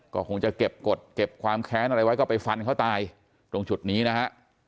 ก็คงจะเก็บกฎเก็บความแค้นอะไรไว้ก็ไปฟันเขาตายตรงจุดนี้นะฮะ